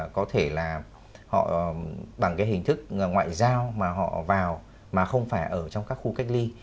có thể là bằng cái hình thức ngoại giao mà họ vào mà không phải ở trong các khu cách ly